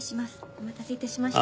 お待たせ致しました。